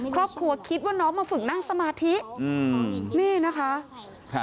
ครอบครัวคิดว่าน้องมาฝึกนั่งสมาธิอืมนี่นะคะครับ